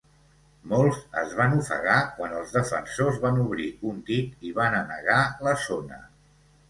Molts es van ofegar quan els defensors van obrir un dic i van anegar la zona.